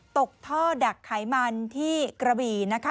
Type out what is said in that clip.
ตกท่อดักไขมันที่กระบี่นะคะ